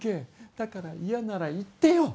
だから嫌なら言ってよ